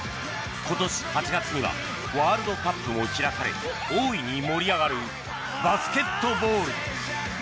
今年８月にはワールドカップも開かれ大いに盛り上がるバスケットボール